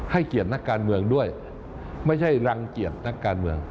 เกียรตินักการเมืองด้วยไม่ใช่รังเกียจนักการเมือง